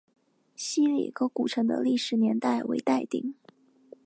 希里沟古城的历史年代为待定。